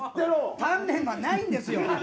タンメンないんですよ！